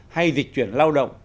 hay dịch chuyển lao động